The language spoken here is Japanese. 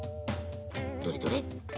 どれどれ？